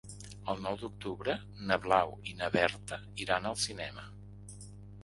El nou d'octubre na Blau i na Berta iran al cinema.